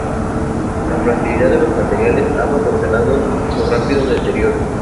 La fragilidad de los materiales ha propiciado su rápido deterioro.